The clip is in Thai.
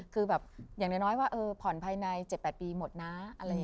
คือแบบอย่างน้อยว่าผ่อนภายใน๗๘ปีหมดนะอะไรอย่างนี้